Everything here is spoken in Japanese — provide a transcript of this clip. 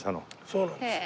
そうなんです。